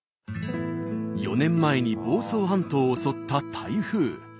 ４年前に房総半島を襲った台風。